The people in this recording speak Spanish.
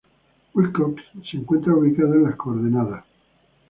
Wilcox se encuentra ubicada en las coordenadas